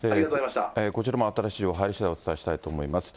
こちらも新しい情報入りしだい、お伝えしたいと思います。